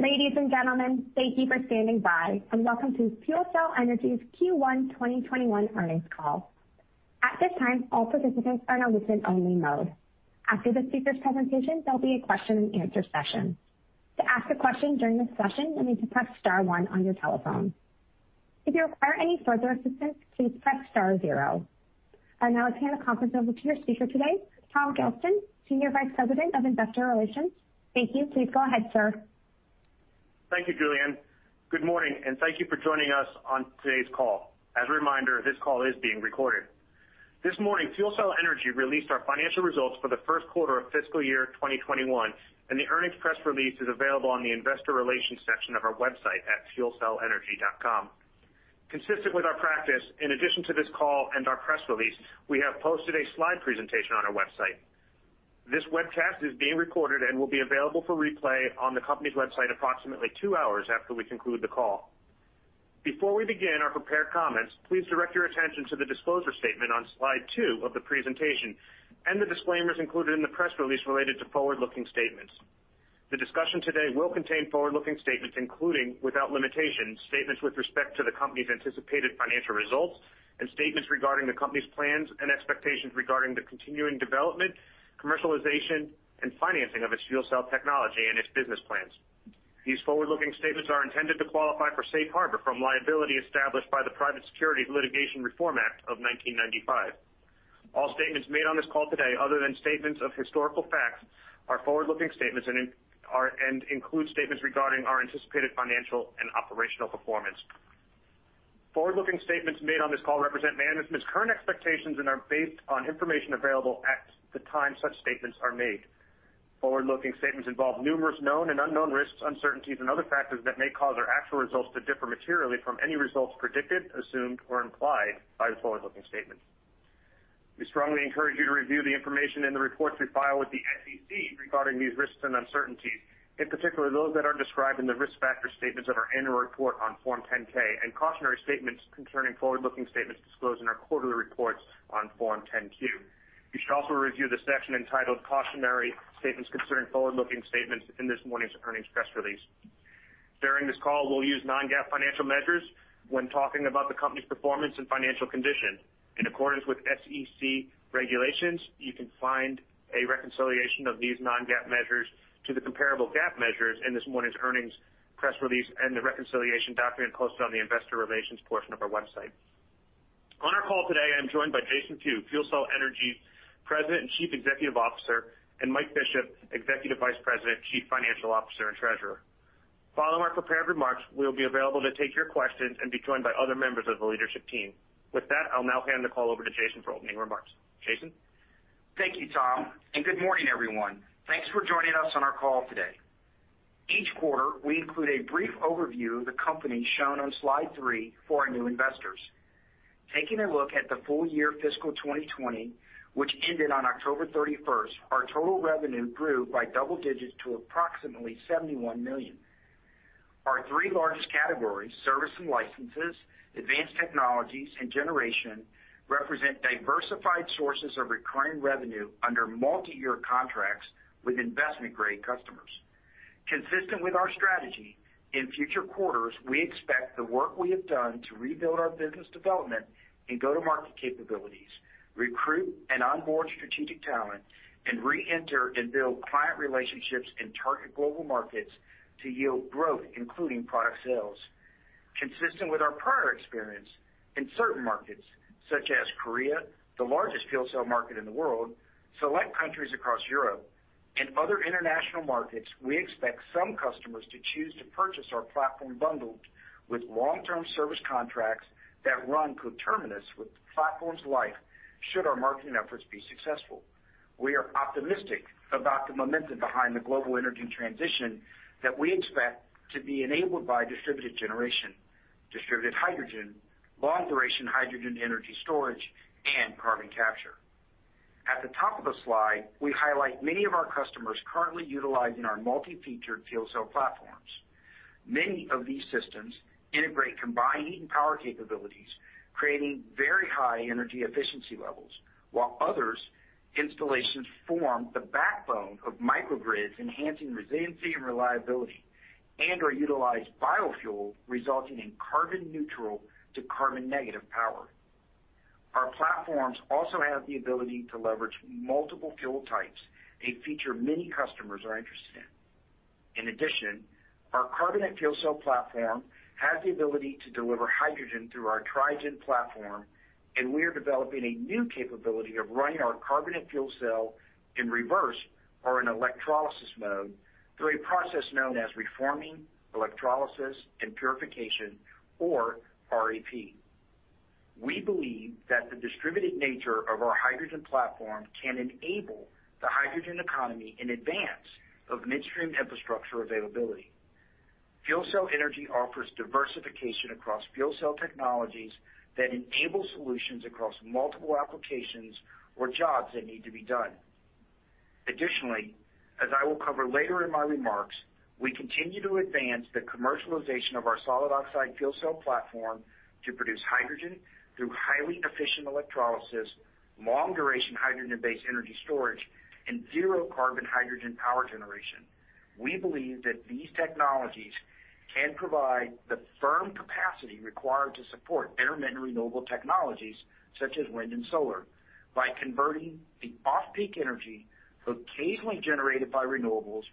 Ladies and gentlemen, thank you for standing by and welcome to FuelCell Energy's Q1 2021 earnings call. At this time, all participants are in a listen-only mode. After the speakers' presentation, there'll be a question and answer session. To ask a question during this session, you'll need to press star one on your telephone. If you require any further assistance, please press star zero. I now turn the conference over to your speaker today, Tom Gelston, Senior Vice President of Investor Relations. Thank you. Please go ahead, sir. Thank you, Julianne. Good morning, thank you for joining us on today's call. As a reminder, this call is being recorded. This morning, FuelCell Energy released our financial results for the first quarter of fiscal year 2021, and the earnings press release is available on the investor relations section of our website at fuelcellenergy.com. Consistent with our practice, in addition to this call and our press release, we have posted a slide presentation on our website. This webcast is being recorded and will be available for replay on the company's website approximately two hours after we conclude the call. Before we begin our prepared comments, please direct your attention to the disclosure statement on slide two of the presentation and the disclaimers included in the press release related to forward-looking statements. The discussion today will contain forward-looking statements, including, without limitation, statements with respect to the company's anticipated financial results and statements regarding the company's plans and expectations regarding the continuing development, commercialization, and financing of its fuel cell technology and its business plans. These forward-looking statements are intended to qualify for safe harbor from liability established by the Private Securities Litigation Reform Act of 1995. All statements made on this call today, other than statements of historical facts, are forward-looking statements and include statements regarding our anticipated financial and operational performance. Forward-looking statements made on this call represent management's current expectations and are based on information available at the time such statements are made. Forward-looking statements involve numerous known and unknown risks, uncertainties, and other factors that may cause our actual results to differ materially from any results predicted, assumed, or implied by the forward-looking statements. We strongly encourage you to review the information in the reports we file with the SEC regarding these risks and uncertainties, and particularly those that are described in the risk factor statements of our annual report on Form 10-K and cautionary statements concerning forward-looking statements disclosed in our quarterly reports on Form 10-Q. You should also review the section entitled Cautionary Statements Concerning Forward-Looking Statements in this morning's earnings press release. During this call, we'll use non-GAAP financial measures when talking about the company's performance and financial condition. In accordance with SEC regulations, you can find a reconciliation of these non-GAAP measures to the comparable GAAP measures in this morning's earnings press release and the reconciliation document posted on the investor relations portion of our website. On our call today, I'm joined by Jason Few, FuelCell Energy President and Chief Executive Officer, and Mike Bishop, Executive Vice President, Chief Financial Officer, and Treasurer. Following our prepared remarks, we will be available to take your questions and be joined by other members of the leadership team. I'll now hand the call over to Jason for opening remarks. Jason? Thank you, Tom, and good morning, everyone. Thanks for joining us on our call today. Each quarter, we include a brief overview of the company shown on slide three for our new investors. Taking a look at the full year fiscal 2020, which ended on October 31st, our total revenue grew by double digits to approximately $71 million. Our three largest categories, service and licenses, advanced technologies, and generation, represent diversified sources of recurring revenue under multi-year contracts with investment-grade customers. Consistent with our strategy, in future quarters, we expect the work we have done to rebuild our business development and go-to-market capabilities, recruit and onboard strategic talent, and re-enter and build client relationships in target global markets to yield growth, including product sales. Consistent with our prior experience in certain markets, such as Korea, the largest fuel cell market in the world, select countries across Europe, and other international markets, we expect some customers to choose to purchase our platform bundled with long-term service contracts that run coterminous with the platform's life should our marketing efforts be successful. We are optimistic about the momentum behind the global energy transition that we expect to be enabled by distributed generation, distributed hydrogen, long-duration hydrogen energy storage, and carbon capture. At the top of the slide, we highlight many of our customers currently utilizing our multi-featured fuel cell platforms. Many of these systems integrate combined heat and power capabilities, creating very high energy efficiency levels, while others' installations form the backbone of microgrids, enhancing resiliency and reliability, and/or utilize biofuel, resulting in carbon neutral to carbon negative power. Our platforms also have the ability to leverage multiple fuel types, a feature many customers are interested in. In addition, our carbonate fuel cell platform has the ability to deliver hydrogen through our Trigen platform, and we are developing a new capability of running our carbonate fuel cell in reverse or in electrolysis mode through a process known as reforming, electrolysis, and purification or REP. We believe that the distributed nature of our hydrogen platform can enable the hydrogen economy in advance of midstream infrastructure availability. FuelCell Energy offers diversification across fuel cell technologies that enable solutions across multiple applications or jobs that need to be done. Additionally, as I will cover later in my remarks, we continue to advance the commercialization of our solid oxide fuel cell platform to produce hydrogen through highly efficient electrolysis, long-duration hydrogen-based energy storage, and zero carbon hydrogen power generation. We believe that these technologies can provide the firm capacity required to support intermittent renewable technologies, such as wind and solar, by converting the off-peak energy occasionally generated by renewables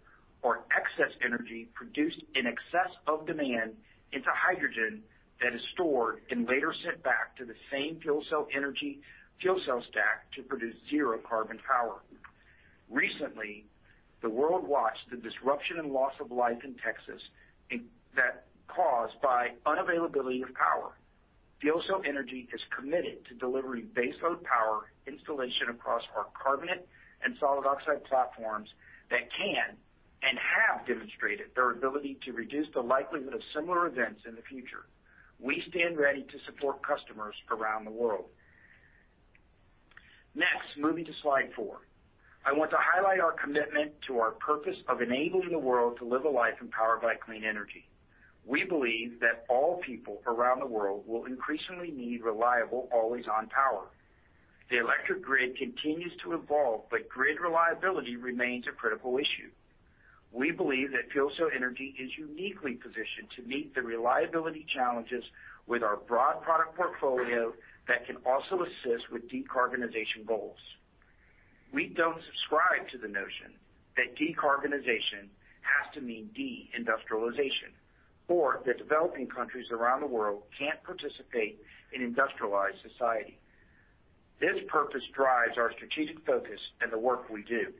or excess energy produced in excess of demand into hydrogen that is stored and later sent back to the same FuelCell Energy fuel cell stack to produce zero carbon power. Recently, the world watched the disruption and loss of life in Texas caused by unavailability of power. FuelCell Energy is committed to delivering baseload power installation across our carbonate and solid oxide platforms that can and have demonstrated their ability to reduce the likelihood of similar events in the future. We stand ready to support customers around the world. Next, moving to slide four. I want to highlight our commitment to our purpose of enabling the world to live a life empowered by clean energy. We believe that all people around the world will increasingly need reliable, always-on power. The electric grid continues to evolve, but grid reliability remains a critical issue. We believe that FuelCell Energy is uniquely positioned to meet the reliability challenges with our broad product portfolio that can also assist with decarbonization goals. We don't subscribe to the notion that decarbonization has to mean de-industrialization, or that developing countries around the world can't participate in industrialized society. This purpose drives our strategic focus and the work we do.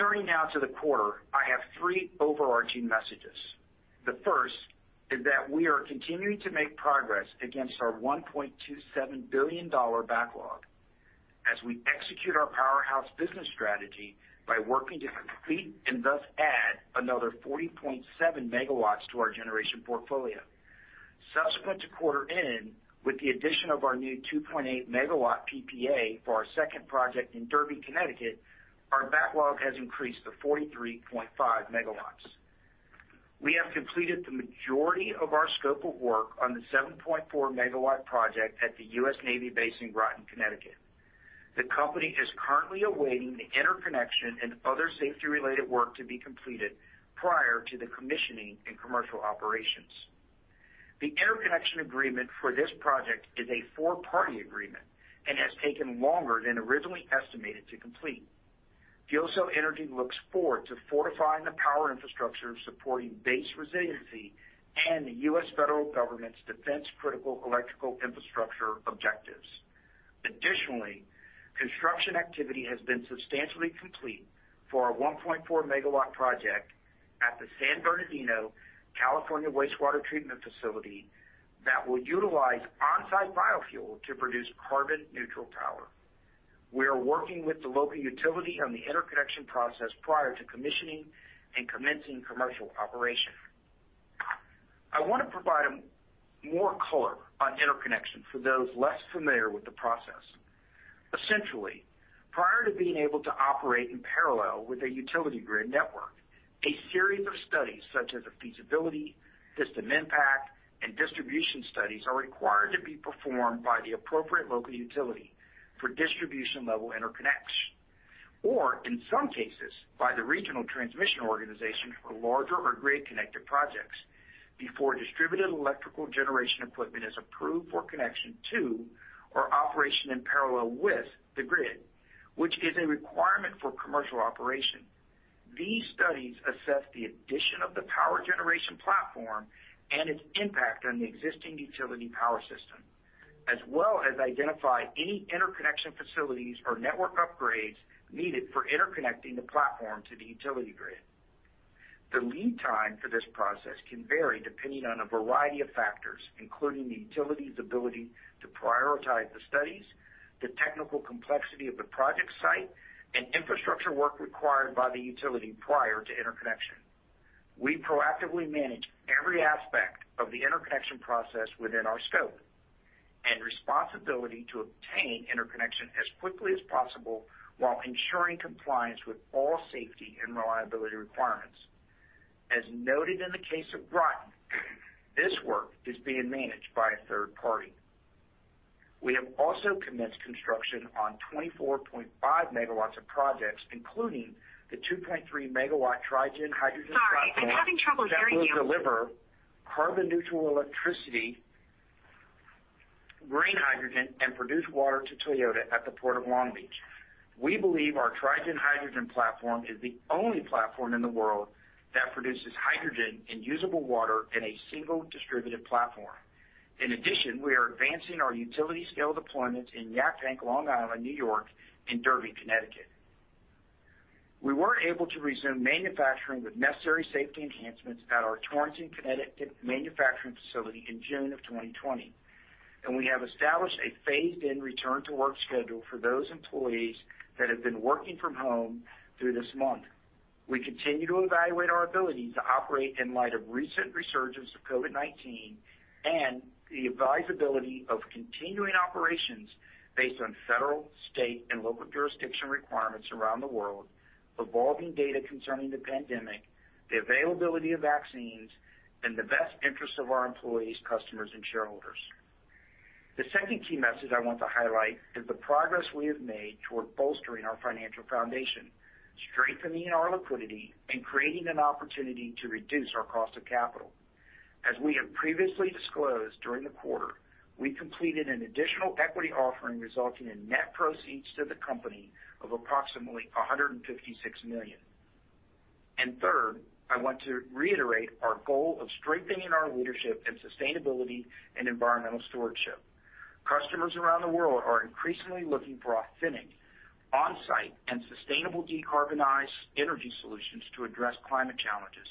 Turning now to the quarter, I have three overarching messages. The first is that we are continuing to make progress against our $1.27 billion backlog as we execute our Powerhouse business strategy by working to complete, and thus add, another 40.7 megawatts to our generation portfolio. Subsequent to quarter end, with the addition of our new 2.8 megawatt PPA for our second project in Derby, Connecticut, our backlog has increased to 43.5 megawatts. We have completed the majority of our scope of work on the 7.4 megawatt project at the U.S. Navy base in Groton, Connecticut. The company is currently awaiting the interconnection and other safety related work to be completed prior to the commissioning and commercial operations. The interconnection agreement for this project is a four-party agreement and has taken longer than originally estimated to complete. FuelCell Energy looks forward to fortifying the power infrastructure, supporting base resiliency, and the U.S. federal government's defense critical electrical infrastructure objectives. Additionally, construction activity has been substantially complete for our 1.4 MW project at the San Bernardino, California wastewater treatment facility that will utilize on-site biofuel to produce carbon neutral power. We are working with the local utility on the interconnection process prior to commissioning and commencing commercial operation. I want to provide more color on interconnection for those less familiar with the process. Essentially, prior to being able to operate in parallel with a utility grid network, a series of studies such as a feasibility, system impact, and distribution studies are required to be performed by the appropriate local utility for distribution level interconnects. In some cases, by the regional transmission organization for larger or grid connected projects before distributed electrical generation equipment is approved for connection to or operation in parallel with the grid, which is a requirement for commercial operation. These studies assess the addition of the power generation platform and its impact on the existing utility power system, as well as identify any interconnection facilities or network upgrades needed for interconnecting the platform to the utility grid. The lead time for this process can vary depending on a variety of factors, including the utility's ability to prioritize the studies, the technical complexity of the project site, and infrastructure work required by the utility prior to interconnection. We proactively manage every aspect of the interconnection process within our scope and responsibility to obtain interconnection as quickly as possible while ensuring compliance with all safety and reliability requirements. As noted in the case of Groton, this work is being managed by a third party. We have also commenced construction on 24.5 megawatts of projects, including the 2.3 megawatt Trigen hydrogen platform. Sorry, I'm having trouble hearing you. That will deliver carbon neutral electricity, green hydrogen, and produce water to Toyota at the Port of Long Beach. We believe our Trigen hydrogen platform is the only platform in the world that produces hydrogen and usable water in a single distributed platform. In addition, we are advancing our utility scale deployments in Yaphank, Long Island, New York, and Derby, Connecticut. We were able to resume manufacturing with necessary safety enhancements at our Torrington, Connecticut manufacturing facility in June of 2020, we have established a phased in return to work schedule for those employees that have been working from home through this month. We continue to evaluate our ability to operate in light of recent resurgence of COVID-19 and the advisability of continuing operations based on federal, state, and local jurisdiction requirements around the world, evolving data concerning the pandemic, the availability of vaccines, and the best interest of our employees, customers, and shareholders. The second key message I want to highlight is the progress we have made toward bolstering our financial foundation, strengthening our liquidity, and creating an opportunity to reduce our cost of capital. As we have previously disclosed, during the quarter, we completed an additional equity offering resulting in net proceeds to the company of approximately $156 million. Third, I want to reiterate our goal of strengthening our leadership in sustainability and environmental stewardship. Customers around the world are increasingly looking for authentic, on-site, and sustainable decarbonized energy solutions to address climate challenges,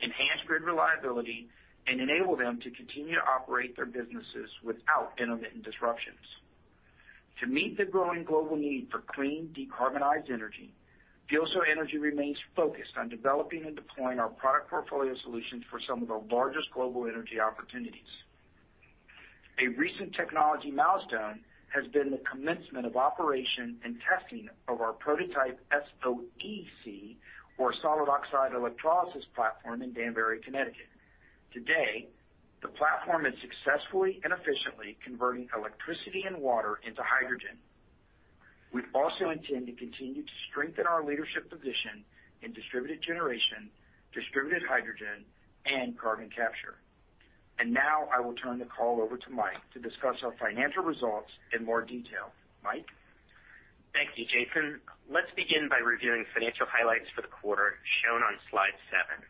enhance grid reliability, and enable them to continue to operate their businesses without intermittent disruptions. To meet the growing global need for clean, decarbonized energy, FuelCell Energy remains focused on developing and deploying our product portfolio solutions for some of the largest global energy opportunities. A recent technology milestone has been the commencement of operation and testing of our prototype SOEC, or solid oxide electrolysis platform, in Danbury, Connecticut. Today, the platform is successfully and efficiently converting electricity and water into hydrogen. We also intend to continue to strengthen our leadership position in distributed generation, distributed hydrogen, and carbon capture. Now I will turn the call over to Mike to discuss our financial results in more detail. Mike? Thank you, Jason. Let's begin by reviewing financial highlights for the quarter, shown on slide seven.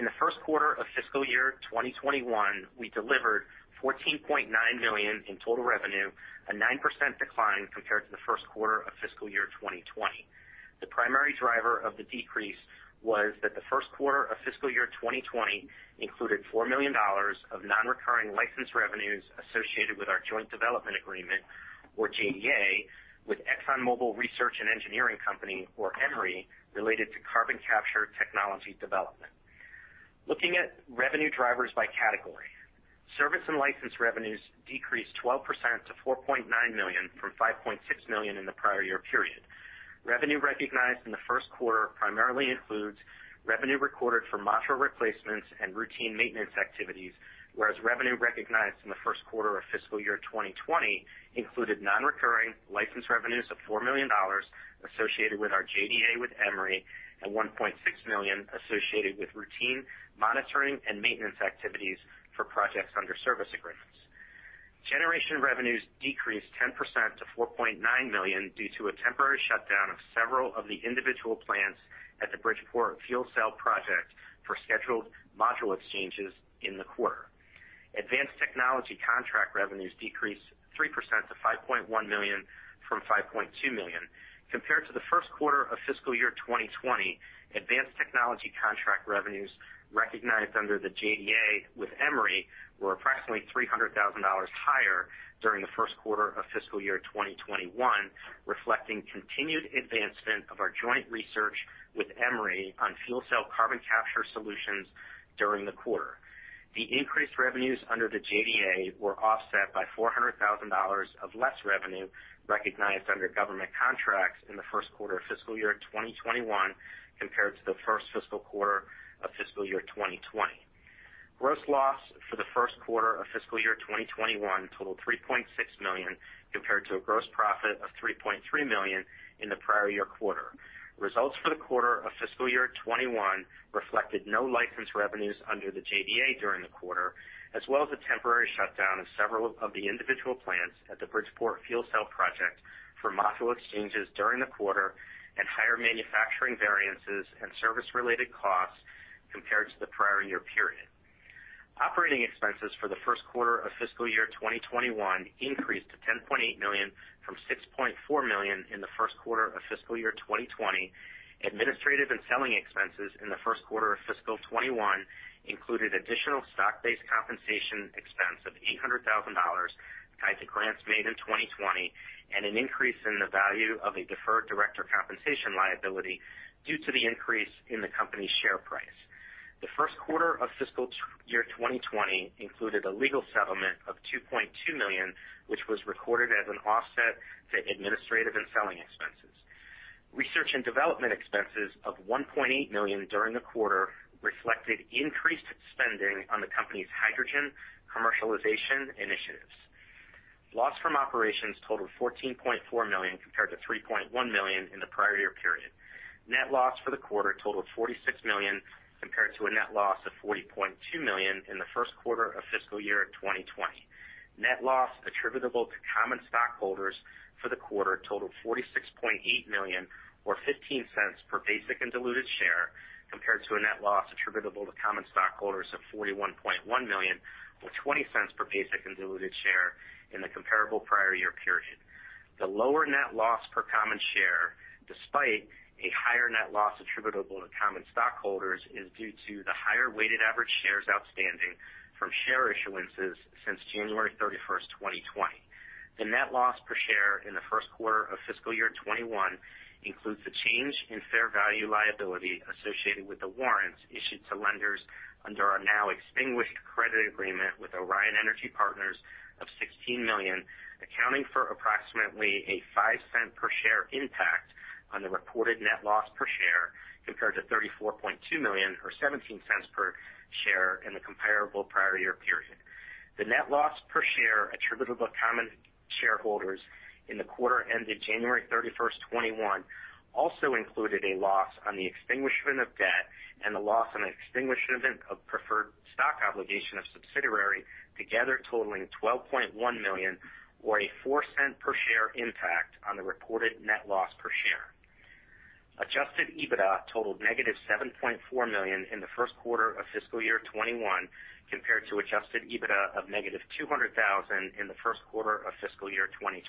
In the first quarter of fiscal year 2021, we delivered $14.9 million in total revenue, a 9% decline compared to the first quarter of fiscal year 2020. The primary driver of the decrease was that the first quarter of fiscal year 2020 included $4 million of non-recurring license revenues associated with our joint development agreement, or JDA, with ExxonMobil Research and Engineering Company, or EMRE, related to carbon capture technology development. Looking at revenue drivers by category, service and license revenues decreased 12% to $4.9 million from $5.6 million in the prior year period. Revenue recognized in the first quarter primarily includes revenue recorded for module replacements and routine maintenance activities, whereas revenue recognized in the first quarter of fiscal year 2020 included non-recurring license revenues of $4 million associated with our JDA with EMRE, and $1.6 million associated with routine monitoring and maintenance activities for projects under service agreements. Generation revenues decreased 10% to $4.9 million due to a temporary shutdown of several of the individual plants at the Bridgeport Fuel Cell project for scheduled module exchanges in the quarter. Advanced technology contract revenues decreased 3% to $5.1 million from $5.2 million. Compared to the first quarter of fiscal year 2020, advanced technology contract revenues recognized under the JDA with EMRE were approximately $300,000 higher during the first quarter of fiscal year 2021, reflecting continued advancement of our joint research with EMRE on fuel cell carbon capture solutions during the quarter. The increased revenues under the JDA were offset by $400,000 of less revenue recognized under government contracts in the first quarter of fiscal year 2021 compared to the first fiscal quarter of fiscal year 2020. Gross loss for the first quarter of fiscal year 2021 totaled $3.6 million, compared to a gross profit of $3.3 million in the prior year quarter. Results for the quarter of fiscal year 2021 reflected no license revenues under the JDA during the quarter, as well as the temporary shutdown of several of the individual plants at the Bridgeport Fuel Cell project for module exchanges during the quarter, and higher manufacturing variances and service-related costs compared to the prior year period. Operating expenses for the first quarter of fiscal year 2021 increased to $10.8 million from $6.4 million in the first quarter of fiscal year 2020. Administrative and selling expenses in the first quarter of fiscal year 2021 included additional stock-based compensation expense of $800,000 tied to grants made in 2020, and an increase in the value of a deferred director compensation liability due to the increase in the company's share price. The first quarter of fiscal year 2020 included a legal settlement of $2.2 million, which was recorded as an offset to administrative and selling expenses. Research and development expenses of $1.8 million during the quarter reflected increased spending on the company's hydrogen commercialization initiatives. Loss from operations totaled $14.4 million, compared to $3.1 million in the prior year period. Net loss for the quarter totaled $46 million, compared to a net loss of $40.2 million in the first quarter of fiscal year 2020. Net loss attributable to common stockholders for the quarter totaled $46.8 million, or $0.15 per basic and diluted share, compared to a net loss attributable to common stockholders of $41.1 million or $0.20 per basic and diluted share in the comparable prior year period. The lower net loss per common share, despite a higher net loss attributable to common stockholders, is due to the higher weighted average shares outstanding from share issuances since January 31st, 2020. The net loss per share in the first quarter of fiscal year 2021 includes the change in fair value liability associated with the warrants issued to lenders under our now-extinguished credit agreement with Orion Energy Partners of $16 million Accounting for approximately a $0.05 per share impact on the reported net loss per share, compared to $34.2 million or $0.17 per share in the comparable prior year period. The net loss per share attributable to common shareholders in the quarter ended January 31st, 2021, also included a loss on the extinguishment of debt and the loss on extinguishment of preferred stock obligation of subsidiary, together totaling $12.1 million or a $0.04 per share impact on the reported net loss per share. Adjusted EBITDA totaled negative $7.4 million in the first quarter of fiscal year 2021, compared to adjusted EBITDA of negative $200,000 in the first quarter of fiscal year 2020.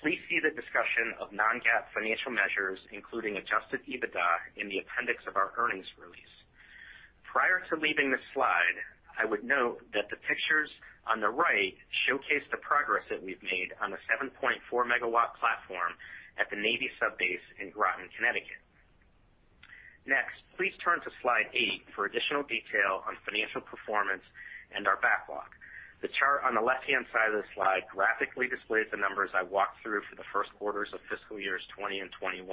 Please see the discussion of non-GAAP financial measures, including adjusted EBITDA, in the appendix of our earnings release. Prior to leaving this slide, I would note that the pictures on the right showcase the progress that we've made on the 7.4 MW platform at the Navy sub base in Groton, Connecticut. Next, please turn to slide eight for additional detail on financial performance and our backlog. The chart on the left-hand side of the slide graphically displays the numbers I walked through for the first quarters of fiscal years 2020 and 2021.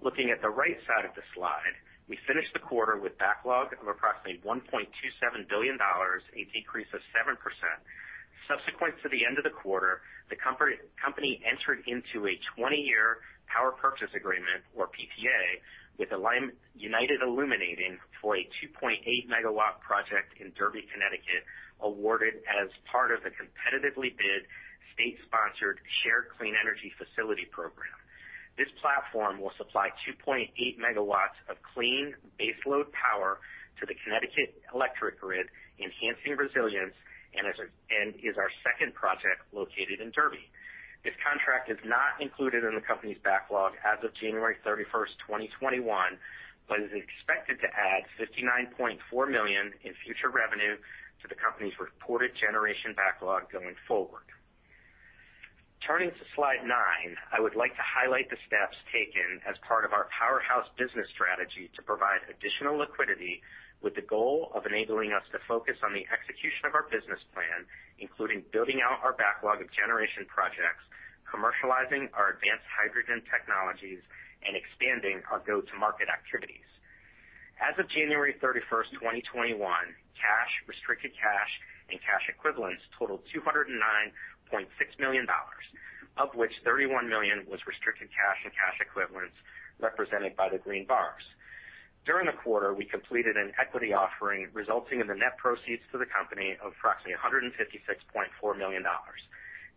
Looking at the right side of the slide, we finished the quarter with backlog of approximately $1.27 billion, a decrease of 7%. Subsequent to the end of the quarter, the company entered into a 20-year power purchase agreement or PPA with United Illuminating for a 2.8 megawatt project in Derby, Connecticut, awarded as part of a competitively bid, state-sponsored shared clean energy facility program. This platform will supply 2.8 megawatts of clean baseload power to the Connecticut electric grid, enhancing resilience, and is our second project located in Derby. This contract is not included in the company's backlog as of January 31st, 2021, but is expected to add $59.4 million in future revenue to the company's reported generation backlog going forward. Turning to slide nine, I would like to highlight the steps taken as part of our Powerhouse business strategy to provide additional liquidity with the goal of enabling us to focus on the execution of our business plan, including building out our backlog of generation projects, commercializing our advanced hydrogen technologies, and expanding our go-to-market activities. As of January 31st, 2021, cash, restricted cash, and cash equivalents totaled $209.6 million, of which $31 million was restricted cash and cash equivalents represented by the green bars. During the quarter, we completed an equity offering resulting in the net proceeds to the company of approximately $156.4 million.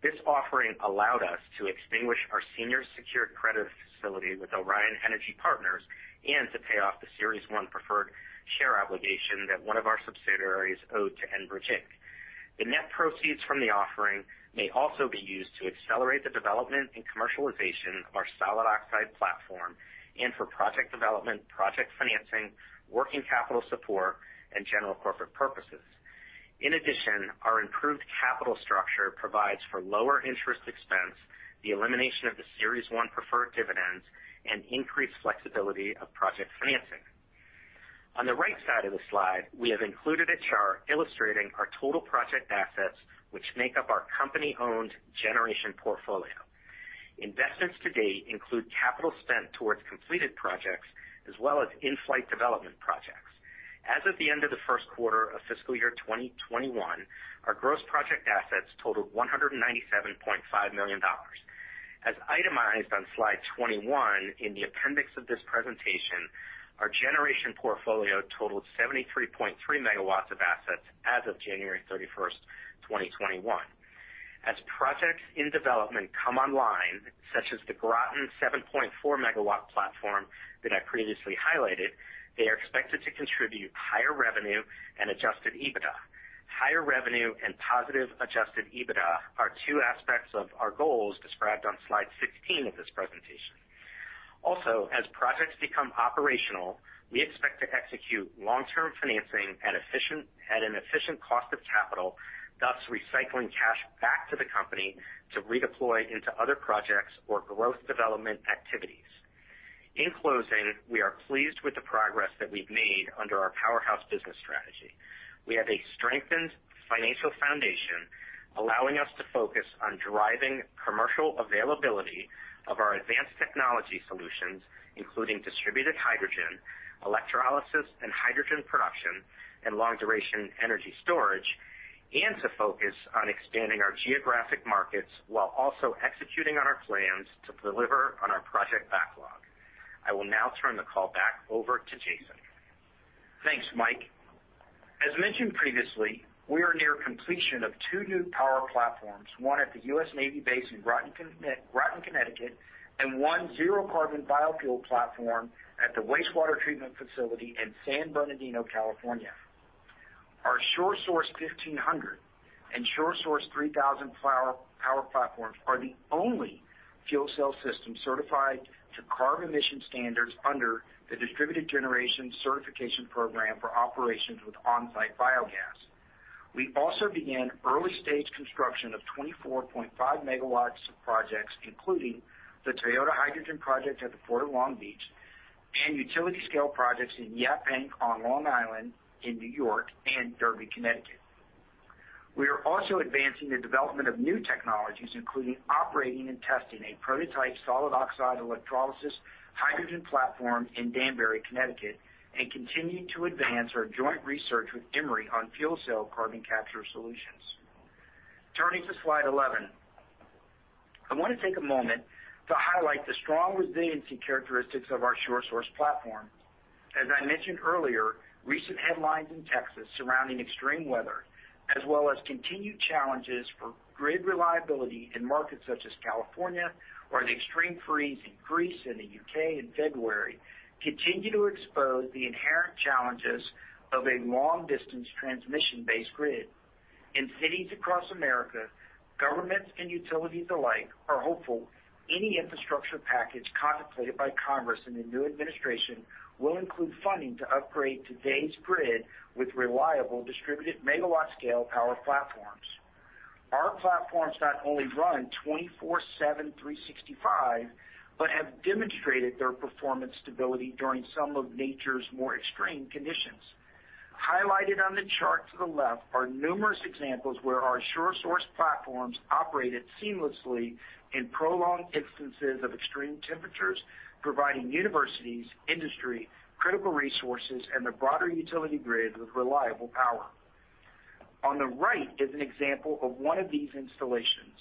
This offering allowed us to extinguish our senior secured credit facility with Orion Energy Partners and to pay off the series one preferred share obligation that one of our subsidiaries owed to Enbridge Inc. The net proceeds from the offering may also be used to accelerate the development and commercialization of our solid oxide platform and for project development, project financing, working capital support, and general corporate purposes. In addition, our improved capital structure provides for lower interest expense, the elimination of the Series 1 preferred dividends, and increased flexibility of project financing. On the right side of the slide, we have included a chart illustrating our total project assets, which make up our company-owned generation portfolio. Investments to date include capital spent towards completed projects as well as in-flight development projects. As of the end of the first quarter of fiscal year 2021, our gross project assets totaled $197.5 million. As itemized on slide 21 in the appendix of this presentation, our generation portfolio totaled 73.3 megawatts of assets as of January 31st, 2021. As projects in development come online, such as the Groton 7.4 megawatt platform that I previously highlighted, they are expected to contribute higher revenue and adjusted EBITDA. Higher revenue and positive adjusted EBITDA are two aspects of our goals described on slide 16 of this presentation. as projects become operational, we expect to execute long-term financing at an efficient cost of capital, thus recycling cash back to the company to redeploy into other projects or growth development activities. In closing, we are pleased with the progress that we've made under our Powerhouse business strategy. We have a strengthened financial foundation allowing us to focus on driving commercial availability of our advanced technology solutions, including distributed hydrogen, electrolysis and hydrogen production, and long-duration energy storage, and to focus on expanding our geographic markets while also executing on our plans to deliver on our project backlog. I will now turn the call back over to Jason. Thanks, Mike. As mentioned previously, we are near completion of two new power platforms, one at the U.S. Navy base in Groton, Connecticut, and one zero carbon biofuel platform at the wastewater treatment facility in San Bernardino, California. Our SureSource 1500 and SureSource 3000 power platforms are the only fuel cell systems certified to carbon emission standards under the Distributed Generation Certification Program for operations with on-site biogas. We also began early-stage construction of 24.5 MW of projects, including the Toyota hydrogen project at the Port of Long Beach and utility scale projects in Yaphank on Long Island in New York and Derby, Connecticut. We are also advancing the development of new technologies, including operating and testing a prototype solid oxide electrolysis hydrogen platform in Danbury, Connecticut, and continuing to advance our joint research with EMRE on fuel cell carbon capture solutions. Turning to slide 11, I want to take a moment to highlight the strong resiliency characteristics of our SureSource platform. As I mentioned earlier, recent headlines in Texas surrounding extreme weather, as well as continued challenges for grid reliability in markets such as California or the extreme freeze in Greece and the U.K. in February, continue to expose the inherent challenges of a long-distance transmission-based grid. In cities across America, governments and utilities alike are hopeful any infrastructure package contemplated by Congress and the new administration will include funding to upgrade today's grid with reliable distributed megawatt-scale power platforms. Our platforms not only run 24/7, 365, but have demonstrated their performance stability during some of nature's more extreme conditions. Highlighted on the chart to the left are numerous examples where our SureSource platforms operated seamlessly in prolonged instances of extreme temperatures, providing universities, industry, critical resources, and the broader utility grid with reliable power. On the right is an example of one of these installations,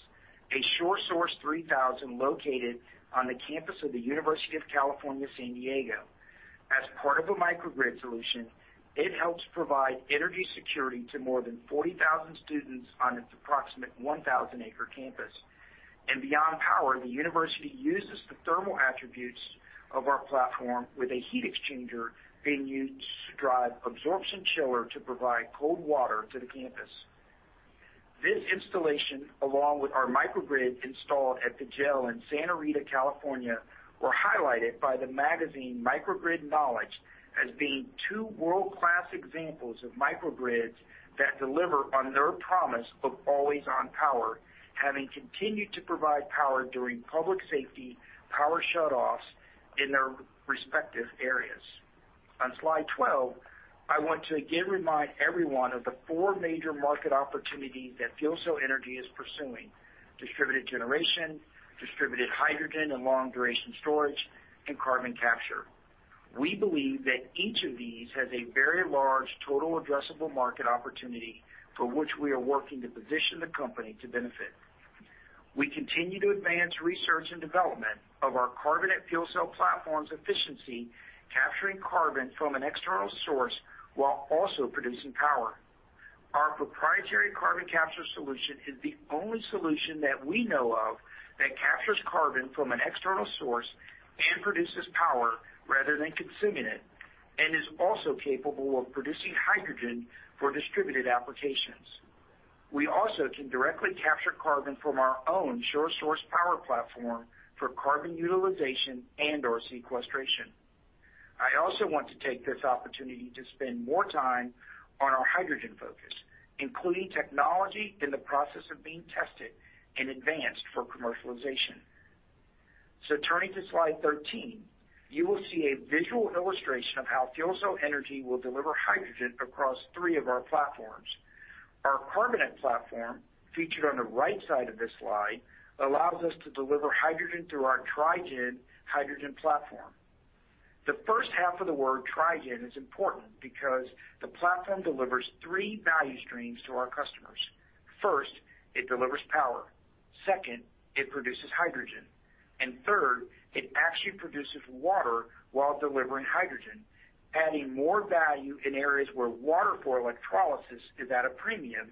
a SureSource 3000 located on the campus of the University of California, San Diego. As part of a microgrid solution, it helps provide energy security to more than 40,000 students on its approximate 1,000-acre campus. Beyond power, the university uses the thermal attributes of our platform with a heat exchanger being used to drive absorption chiller to provide cold water to the campus. This installation, along with our microgrid installed at the jail in Santa Rita, California, were highlighted by the magazine Microgrid Knowledge as being two world-class examples of microgrids that deliver on their promise of always-on power, having continued to provide power during public safety power shutoffs in their respective areas. On slide 12, I want to again remind everyone of the four major market opportunities that FuelCell Energy is pursuing: distributed generation, distributed hydrogen, and long-duration storage, and carbon capture. We believe that each of these has a very large total addressable market opportunity for which we are working to position the company to benefit. We continue to advance research and development of our carbonate fuel cell platform's efficiency, capturing carbon from an external source while also producing power. Our proprietary carbon capture solution is the only solution that we know of that captures carbon from an external source and produces power rather than consuming it and is also capable of producing hydrogen for distributed applications. We also can directly capture carbon from our own SureSource power platform for carbon utilization and/or sequestration. I also want to take this opportunity to spend more time on our hydrogen focus, including technology in the process of being tested and advanced for commercialization. turning to slide 13, you will see a visual illustration of how FuelCell Energy will deliver hydrogen across three of our platforms. Our Carbonate platform, featured on the right side of this slide, allows us to deliver hydrogen through our Trigen hydrogen platform. The first half of the word Trigen is important because the platform delivers three value streams to our customers. First, it delivers power, second, it produces hydrogen, and third, it actually produces water while delivering hydrogen, adding more value in areas where water for electrolysis is at a premium,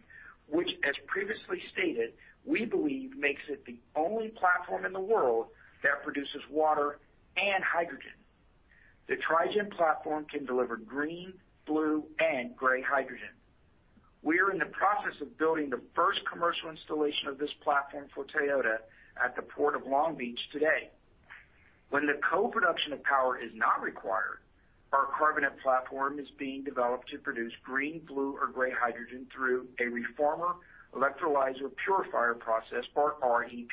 which, as previously stated, we believe makes it the only platform in the world that produces water and hydrogen. The Trigen platform can deliver green, blue, and gray hydrogen. We are in the process of building the first commercial installation of this platform for Toyota at the Port of Long Beach today. When the co-production of power is not required, our carbonate platform is being developed to produce green, blue, or gray hydrogen through a reformer electrolyzer purifier process or REP.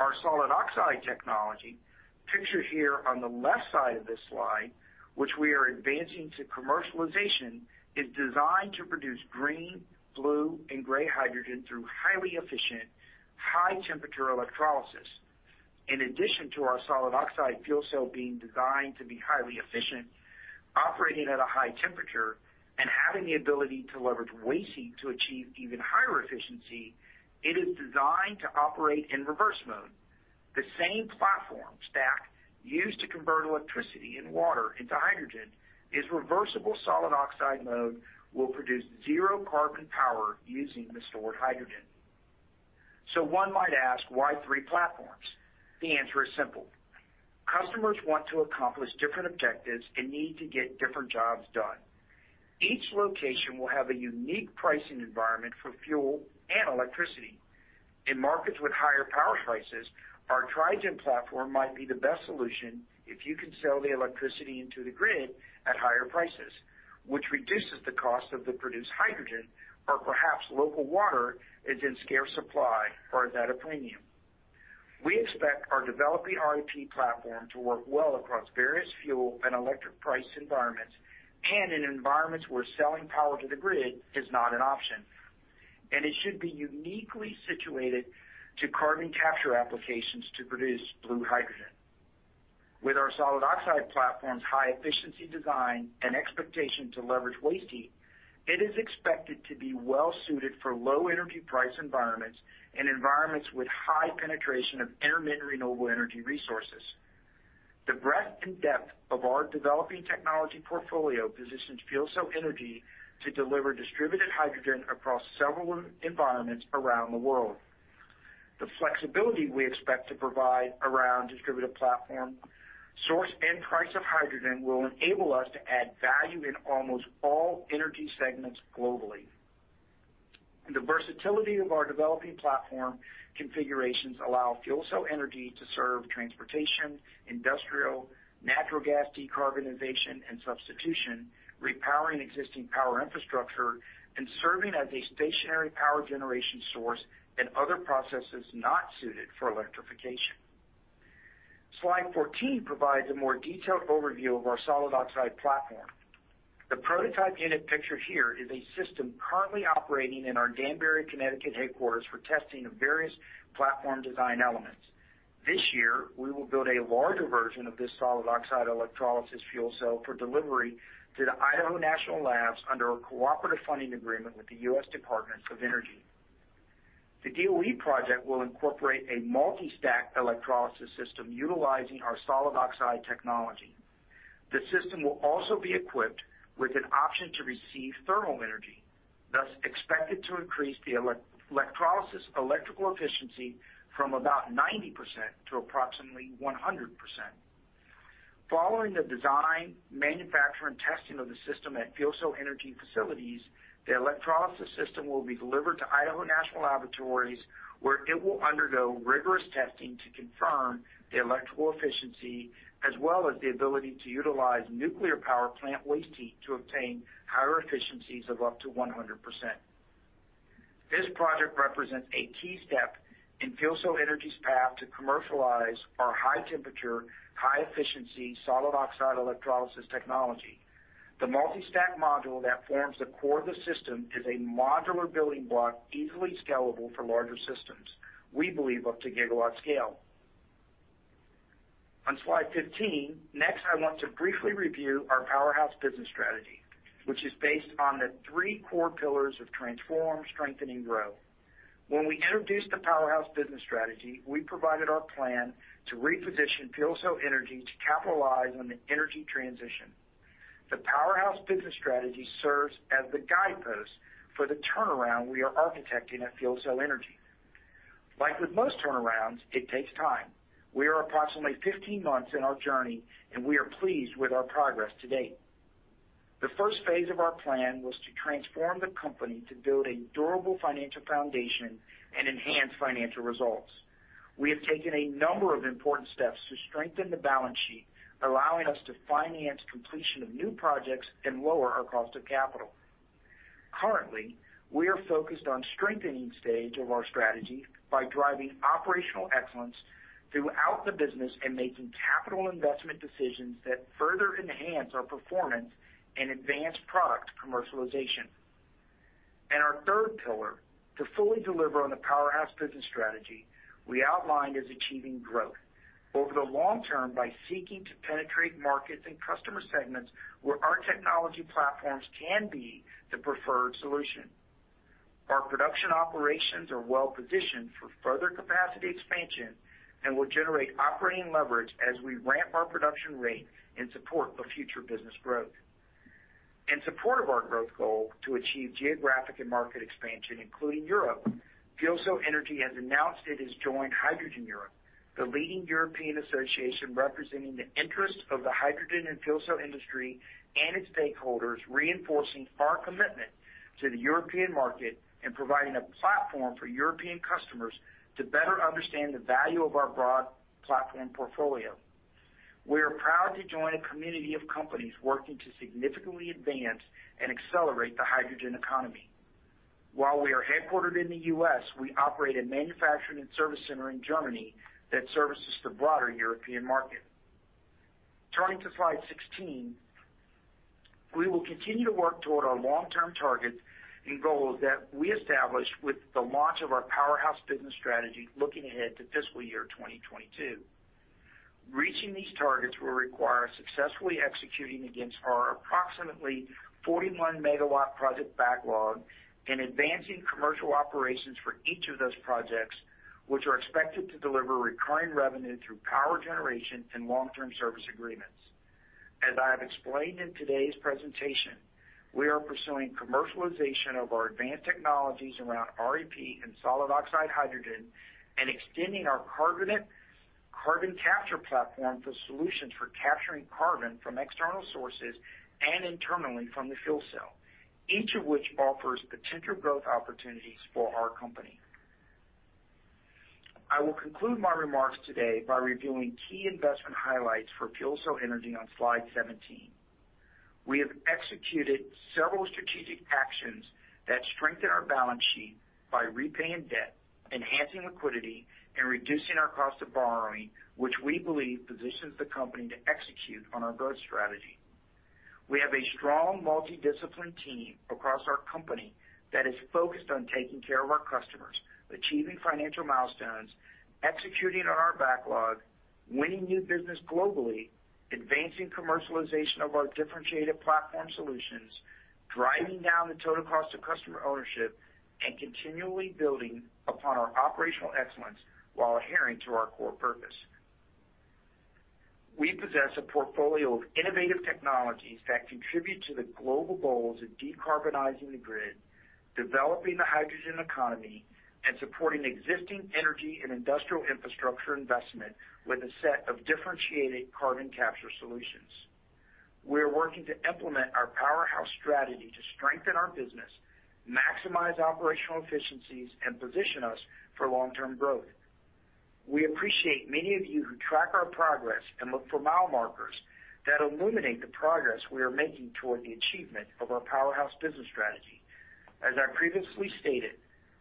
Our solid oxide technology, pictured here on the left side of this slide, which we are advancing to commercialization, is designed to produce green, blue, and gray hydrogen through highly efficient, high-temperature electrolysis. In addition to our solid oxide fuel cell being designed to be highly efficient, operating at a high temperature, and having the ability to leverage waste heat to achieve even higher efficiency, it is designed to operate in reverse mode. The same platform stack used to convert electricity and water into hydrogen, its reversible solid oxide mode will produce zero carbon power using the stored hydrogen. One might ask, why three platforms? The answer is simple. Customers want to accomplish different objectives and need to get different jobs done. Each location will have a unique pricing environment for fuel and electricity. In markets with higher power prices, our Trigen platform might be the best solution if you can sell the electricity into the grid at higher prices, which reduces the cost of the produced hydrogen, or perhaps local water is in scarce supply or is at a premium. We expect our developing REP platform to work well across various fuel and electric price environments, and in environments where selling power to the grid is not an option. It should be uniquely situated to carbon capture applications to produce blue hydrogen. With our solid oxide platform's high efficiency design and expectation to leverage waste heat, it is expected to be well suited for low energy price environments and environments with high penetration of intermittent renewable energy resources. The breadth and depth of our developing technology portfolio positions FuelCell Energy to deliver distributed hydrogen across several environments around the world. The flexibility we expect to provide around distributed platform, source, and price of hydrogen will enable us to add value in almost all energy segments globally. The versatility of our developing platform configurations allow FuelCell Energy to serve transportation, industrial, natural gas decarbonization and substitution, repowering existing power infrastructure, and serving as a stationary power generation source and other processes not suited for electrification. Slide 14 provides a more detailed overview of our solid oxide platform. The prototype unit pictured here is a system currently operating in our Danbury, Connecticut, headquarters for testing of various platform design elements. This year, we will build a larger version of this solid oxide electrolysis fuel cell for delivery to the Idaho National Labs under a cooperative funding agreement with the U.S. Department of Energy. The DOE project will incorporate a multi-stack electrolysis system utilizing our solid oxide technology. The system will also be equipped with an option to receive thermal energy, thus expected to increase the electrolysis electrical efficiency from about 90% to approximately 100%. Following the design, manufacturing, and testing of the system at FuelCell Energy facilities, the electrolysis system will be delivered to Idaho National Laboratory, where it will undergo rigorous testing to confirm the electrical efficiency as well as the ability to utilize nuclear power plant waste heat to obtain higher efficiencies of up to 100%. This project represents a key step in FuelCell Energy's path to commercialize our high temperature, high efficiency solid oxide electrolysis technology. The multi-stack module that forms the core of the system is a modular building block, easily scalable for larger systems, we believe up to gigawatt scale. On slide 15, next, I want to briefly review our Powerhouse business strategy, which is based on the three core pillars of transform, strengthen, and grow. When we introduced the Powerhouse business strategy, we provided our plan to reposition FuelCell Energy to capitalize on the energy transition. The Powerhouse business strategy serves as the guidepost for the turnaround we are architecting at FuelCell Energy. Like with most turnarounds, it takes time. We are approximately 15 months in our journey, and we are pleased with our progress to date. The first phase of our plan was to transform the company to build a durable financial foundation and enhance financial results. We have taken a number of important steps to strengthen the balance sheet, allowing us to finance completion of new projects and lower our cost of capital. Currently, we are focused on strengthening stage of our strategy by driving operational excellence throughout the business and making capital investment decisions that further enhance our performance and advance product commercialization. Our third pillar, to fully deliver on the Powerhouse business strategy, we outlined as achieving growth over the long term by seeking to penetrate markets and customer segments where our technology platforms can be the preferred solution. Our production operations are well positioned for further capacity expansion and will generate operating leverage as we ramp our production rate in support of future business growth. In support of our growth goal to achieve geographic and market expansion, including Europe, FuelCell Energy has announced it has joined Hydrogen Europe, the leading European association representing the interests of the hydrogen and fuel cell industry and its stakeholders, reinforcing our commitment to the European market and providing a platform for European customers to better understand the value of our broad platform portfolio. We are proud to join a community of companies working to significantly advance and accelerate the hydrogen economy. While we are headquartered in the U.S., we operate a manufacturing and service center in Germany that services the broader European market. Turning to slide 16, we will continue to work toward our long-term targets and goals that we established with the launch of our Powerhouse business strategy looking ahead to fiscal year 2022. Reaching these targets will require successfully executing against our approximately 41 megawatt project backlog and advancing commercial operations for each of those projects, which are expected to deliver recurring revenue through power generation and long-term service agreements. As I have explained in today's presentation, we are pursuing commercialization of our advanced technologies around REP and solid oxide hydrogen, and extending our carbon capture platform for solutions for capturing carbon from external sources and internally from the fuel cell, each of which offers potential growth opportunities for our company. I will conclude my remarks today by reviewing key investment highlights for FuelCell Energy on slide 17. We have executed several strategic actions that strengthen our balance sheet by repaying debt, enhancing liquidity, and reducing our cost of borrowing, which we believe positions the company to execute on our growth strategy. We have a strong multi-disciplined team across our company that is focused on taking care of our customers, achieving financial milestones, executing on our backlog, winning new business globally, advancing commercialization of our differentiated platform solutions, driving down the total cost of customer ownership, and continually building upon our operational excellence while adhering to our core purpose. We possess a portfolio of innovative technologies that contribute to the global goals of decarbonizing the grid, developing the hydrogen economy, and supporting existing energy and industrial infrastructure investment with a set of differentiated carbon capture solutions. We are working to implement our Powerhouse strategy to strengthen our business, maximize operational efficiencies, and position us for long-term growth. We appreciate many of you who track our progress and look for mile markers that illuminate the progress we are making toward the achievement of our Powerhouse business strategy. As I previously stated,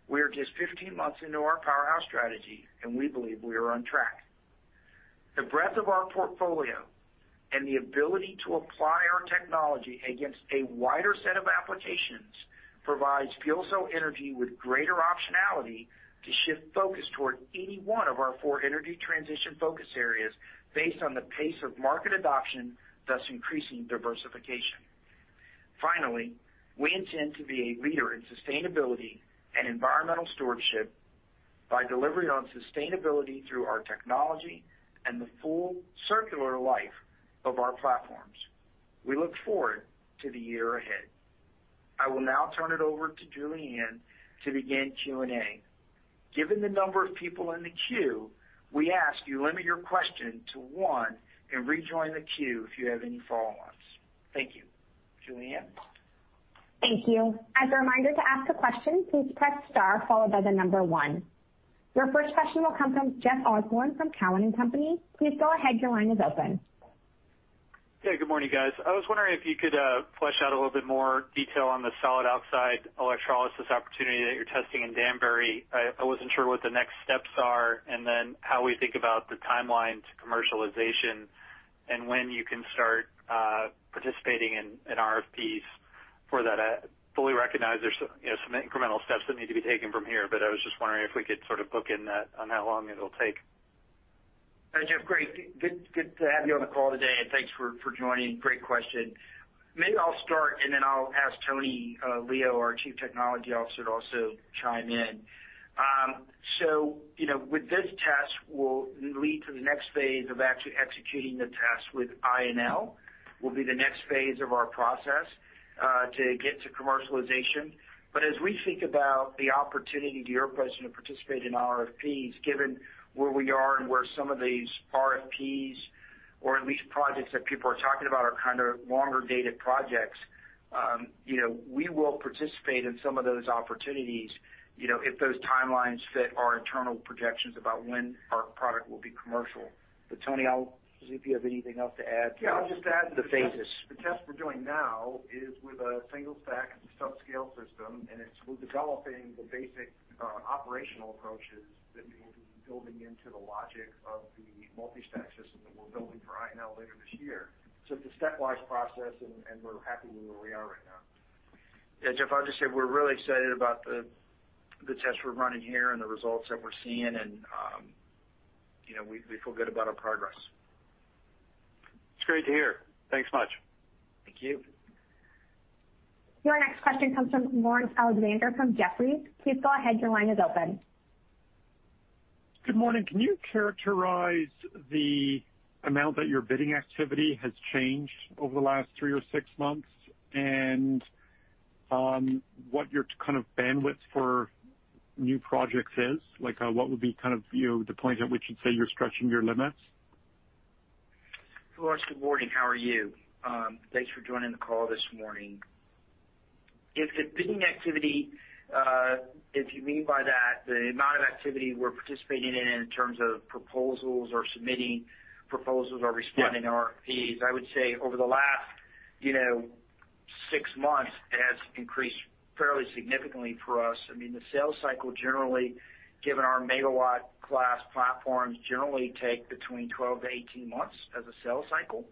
we are just 15 months into our Powerhouse strategy, and we believe we are on track. The breadth of our portfolio and the ability to apply our technology against a wider set of applications provides FuelCell Energy with greater optionality to shift focus toward any one of our four energy transition focus areas based on the pace of market adoption, thus increasing diversification. Finally, we intend to be a leader in sustainability and environmental stewardship by delivering on sustainability through our technology and the full circular life of our platforms. We look forward to the year ahead. I will now turn it over to Julianne to begin Q&A. Given the number of people in the queue, we ask you limit your question to one and rejoin the queue if you have any follow-ups. Thank you. Julianne? Thank you. As a reminder, to ask a question, please press star followed by the number one. Your first question will come from Jeff Osborne from Cowen and Company. Please go ahead. Your line is open. Yeah, good morning, guys. I was wondering if you could flesh out a little bit more detail on the solid oxide electrolysis opportunity that you're testing in Danbury. I wasn't sure what the next steps are, and then how we think about the timeline to commercialization, and when you can start participating in RFPs for that. I fully recognize there's some incremental steps that need to be taken from here, but I was just wondering if we could sort of book in that on how long it'll take. Jeff, great. Good to have you on the call today, and thanks for joining. Great question. Maybe I'll start, and then I'll ask Tony Leo, our Chief Technology Officer, to also chime in. with this test will lead to the next phase of actually executing the test with INL, will be the next phase of our process, to get to commercialization. as we think about the opportunity to your question, to participate in RFPs, given where we are and where some of these RFPs, or at least projects that people are talking about, are kind of longer-dated projects, we will participate in some of those opportunities, if those timelines fit our internal projections about when our product will be commercial. Tony, I'll see if you have anything else to add- Yeah, I'll just add- to the phases. The test we're doing now is with a single stack subscale system, and we're developing the basic operational approaches that we will be building into the logic of the multi-stack system that we're building for INL later this year. It's a stepwise process, and we're happy where we are right now. Yeah, Jeff, I'll just say we're really excited about the tests we're running here and the results that we're seeing, and we feel good about our progress. It's great to hear. Thanks much. Thank you. Your next question comes from Laurence Alexander from Jefferies. Please go ahead. Your line is open. Good morning. Can you characterize the amount that your bidding activity has changed over the last three or six months and what your kind of bandwidth for new projects is? Like what would be the point at which you'd say you're stretching your limits? Laurence, good morning. How are you? Thanks for joining the call this morning. If the bidding activity, if you mean by that the amount of activity we're participating in in terms of proposals or submitting proposals or responding to RFPs, I would say over the last six months, it has increased fairly significantly for us. The sales cycle, given our megawatt class platforms, generally take between 12 to 18 months as a sales cycle.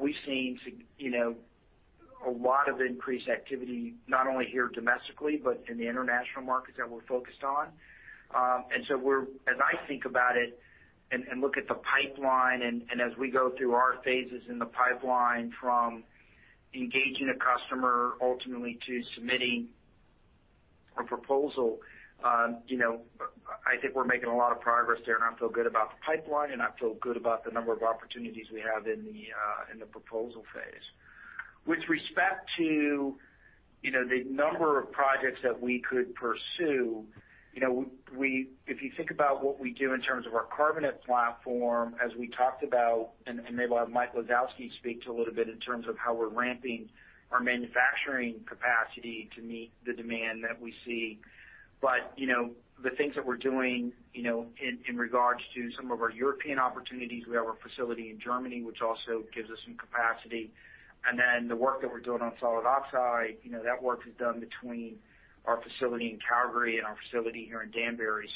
We've seen a lot of increased activity, not only here domestically, but in the international markets that we're focused on. As I think about it and look at the pipeline, and as we go through our phases in the pipeline from engaging a customer ultimately to submitting a proposal, I think we're making a lot of progress there, and I feel good about the pipeline, and I feel good about the number of opportunities we have in the proposal phase. With respect to the number of projects that we could pursue. If you think about what we do in terms of our carbonate platform, as we talked about, and maybe we'll have Mike Lisowski speak to a little bit in terms of how we're ramping our manufacturing capacity to meet the demand that we see. The things that we're doing in regards to some of our European opportunities, we have our facility in Germany, which also gives us some capacity. The work that we're doing on solid oxide, that work is done between our facility in Calgary and our facility here in Danbury.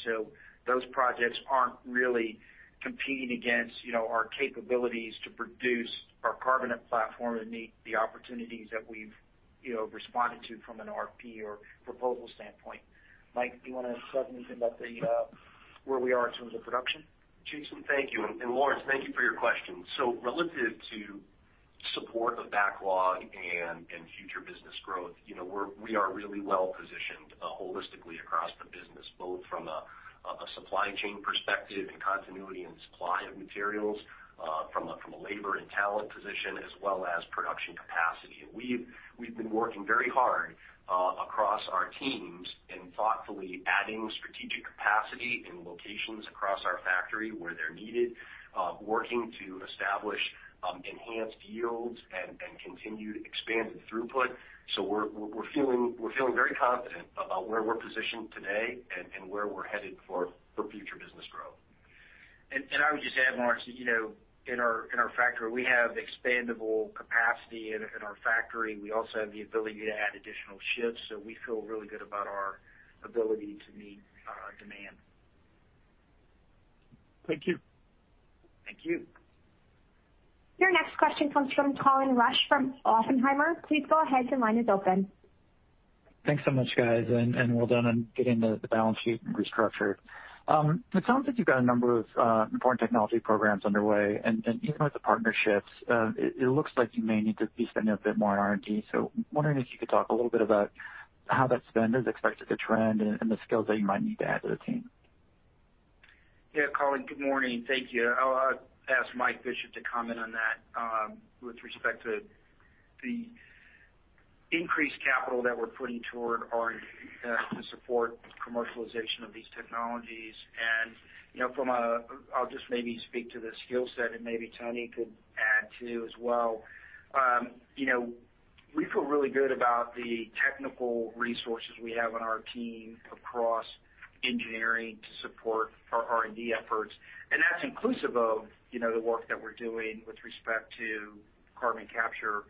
those projects aren't really competing against our capabilities to produce our carbonate platform and meet the opportunities that we've responded to from an RFP or proposal standpoint. Mike, do you want to say anything about where we are in terms of production? Jason, thank you. Laurence, thank you for your question. Relative to support of backlog and future business growth, we are really well-positioned holistically across the business, both from a supply chain perspective and continuity and supply of materials, from a labor and talent position, as well as production capacity. We've been working very hard across our teams in thoughtfully adding strategic capacity in locations across our factory where they're needed, working to establish enhanced yields and continue to expand the throughput. We're feeling very confident about where we're positioned today and where we're headed for future business growth. I would just add, Laurence, in our factory, we have expandable capacity in our factory. We also have the ability to add additional shifts. We feel really good about our ability to meet demand. Thank you. Thank you. Your next question comes from Colin Rusch from Oppenheimer. Please go ahead, your line is open. Thanks so much, guys, and well done on getting the balance sheet restructured. It sounds like you've got a number of important technology programs underway, and even with the partnerships, it looks like you may need to be spending a bit more on R&D. Wondering if you could talk a little bit about how that spend is expected to trend and the skills that you might need to add to the team. Yeah, Colin, good morning. Thank you. I'll ask Michael Bishop to comment on that with respect to the increased capital that we're putting to support commercialization of these technologies. I'll just maybe speak to the skill set, and maybe Tony could add, too, as well. We feel really good about the technical resources we have on our team across engineering to support our R&D efforts, and that's inclusive of the work that we're doing with respect to carbon capture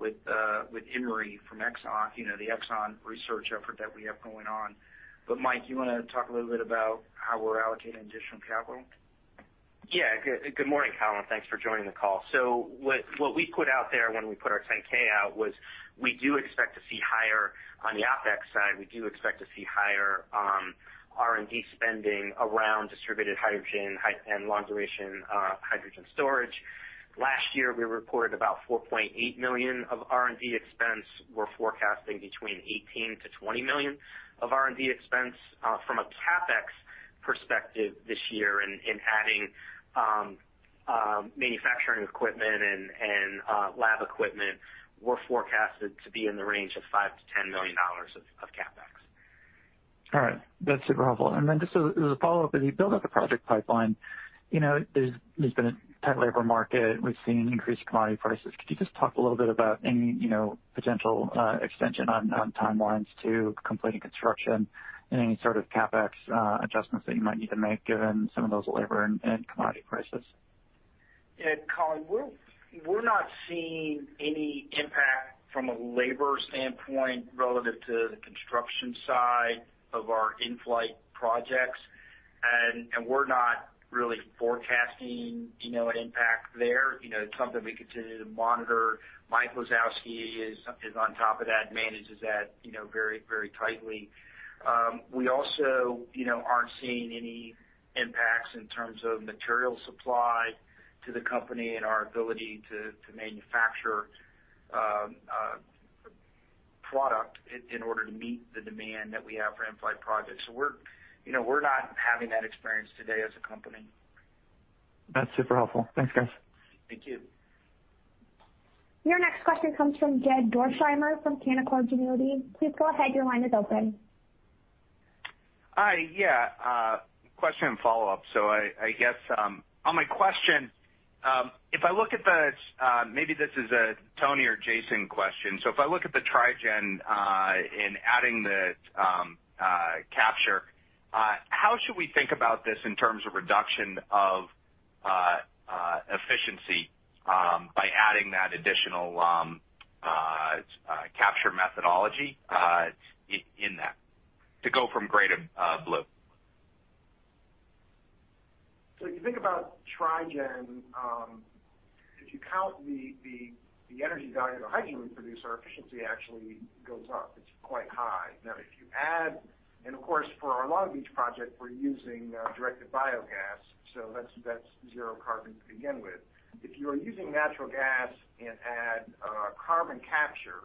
with EMRE from ExxonMobil, the ExxonMobil research effort that we have going on. Mike, you want to talk a little bit about how we're allocating additional capital? Yeah. Good morning, Colin. Thanks for joining the call. What we put out there when we put our 10-K out was on the OpEx side, we do expect to see higher R&D spending around distributed hydrogen and long-duration hydrogen storage. Last year, we reported about $4.8 million of R&D expense. We're forecasting between $18 million-$20 million of R&D expense. From a CapEx perspective this year in adding manufacturing equipment and lab equipment, we're forecasted to be in the range of $5 million-$10 million of CapEx. All right. That's super helpful. Just as a follow-up, as you build out the project pipeline, there's been a tight labor market. We've seen increased commodity prices. Could you just talk a little bit about any potential extension on timelines to completing construction and any sort of CapEx adjustments that you might need to make given some of those labor and commodity prices? Yeah. Colin, we're not seeing any impact from a labor standpoint relative to the construction side of our in-flight projects, and we're not really forecasting an impact there. It's something we continue to monitor. Mike Lisowski is on top of that, manages that very tightly. We also aren't seeing any impacts in terms of material supply to the company and our ability to manufacture product in order to meet the demand that we have for in-flight projects. We're not having that experience today as a company. That's super helpful. Thanks, guys. Thank you. Your next question comes from Jed Dorsheimer from Canaccord Genuity. Please go ahead, your line is open. Hi. Yeah. Question and follow-up. I guess on my question, maybe this is a Tony or Jason question. If I look at the Trigen in adding the capture, how should we think about this in terms of reduction of efficiency by adding that additional capture methodology in that to go from gray to blue? If you think about Trigen, if you count the energy value of the hydrogen we produce, our efficiency actually goes up. It's quite high. Now, if you add and of course, for our Long Beach project, we're using directed biogas, so that's zero carbon to begin with. If you are using natural gas and add carbon capture,